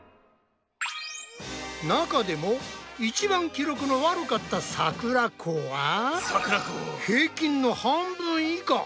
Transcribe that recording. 中でも一番記録の悪かったさくらこは平均の半分以下。